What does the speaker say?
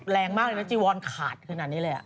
แรงมากเลยนะจีวอนขาดขึ้นอันนี้แหละ